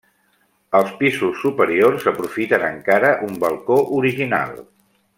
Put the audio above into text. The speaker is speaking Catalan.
Els pisos superiors aprofiten encara un balcó original.